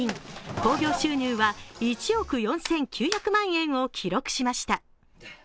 興行収入は１億４９００万円を記録しました。